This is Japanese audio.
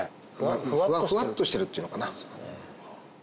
フワッとしてるっていうのかな。